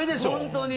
本当に。